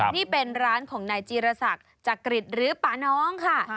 นี่เป็นร้านของนายจีรศักดิ์จักริตหรือป่าน้องค่ะ